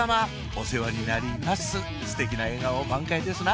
お世話になりますステキな笑顔満開ですな